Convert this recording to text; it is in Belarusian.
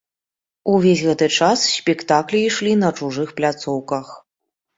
Увесь гэты час спектаклі ішлі на чужых пляцоўках.